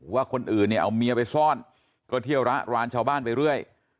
ว่าคนอื่นเนี่ยเอาเมียไปซ่อนก็เที่ยวระรานชาวบ้านไปเรื่อย